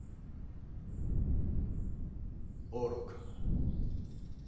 愚かな。